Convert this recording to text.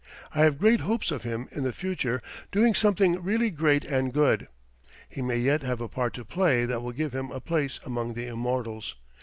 I have great hopes of him in the future doing something really great and good. He may yet have a part to play that will give him a place among the immortals.